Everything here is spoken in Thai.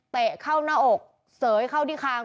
เข้าหน้าอกเสยเข้าที่คาง